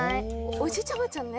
おじいちゃんおばあちゃんね。